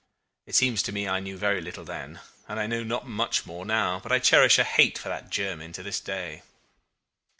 It seems to me I knew very little then, and I know not much more now; but I cherish a hate for that Jermyn to this day.